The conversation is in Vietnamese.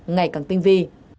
ngày càng tinh vi